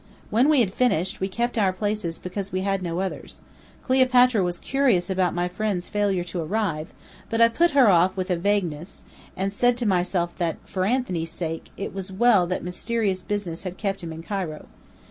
When we had finished, we kept our places because we had no others. Cleopatra was curious about my friend's failure to arrive, but I put her off with vaguenesses; and said to myself that, for Anthony's sake, it was well that mysterious business had kept him in Cairo.